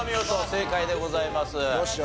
正解でございます。